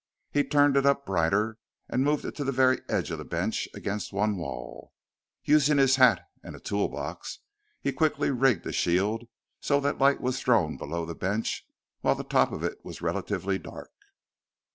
He turned it up brighter and moved it to the very edge of the bench against one wall. Using his hat and a tool box, he quickly rigged a shield so that light was thrown below the bench while the top of it was relatively dark.